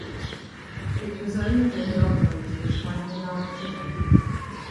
It was owned and operated by Millard Kibbe.